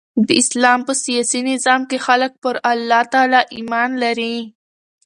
د اسلام په سیاسي نظام کښي خلک پر الله تعالي ایمان لري.